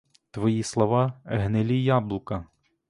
Твої слова — гнилі яблука!